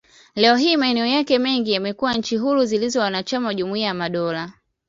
Leo hii, maeneo yake mengi yamekuwa nchi huru zilizo wanachama wa Jumuiya ya Madola.